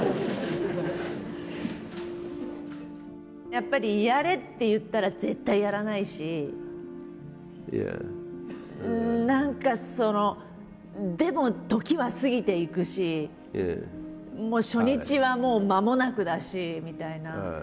やっぱり「やれ」って言ったら絶対やらないしでも時は過ぎていくし初日はもうまもなくだしみたいな。